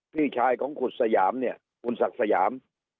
พี่ชายของขุดสยามเนี่ยคุณศักดิ์สยาม